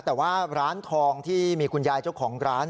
แต่ว่าร้านทองที่มีคุณยายเจ้าของร้าน